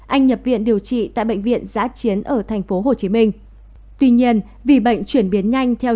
anh nhập viện điều trị tại bệnh viện giã chiến ở tp hcm tuy nhiên vì bệnh chuyển biến nhanh theo